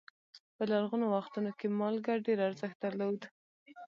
په لرغونو وختونو کې مالګه ډېر ارزښت درلود.